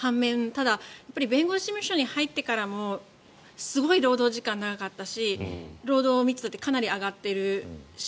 ただ、弁護士事務所に入ってからもすごい労働時間長かったし労働密度ってかなり上がってるし